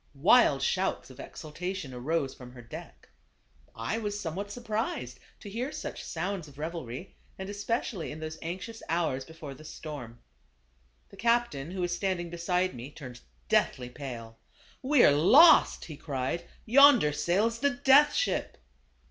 Wild shouts of exultation arose from her deck. I was somewhat surprised to hear such sounds of revelry, and especially in those anxious hours before the storm. The captain who was stand ing beside me, turned deathly pale. "We are lost," he cried; "yonder sails the Death Ship!"